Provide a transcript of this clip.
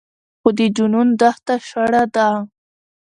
خو د جنون دښته شړه ده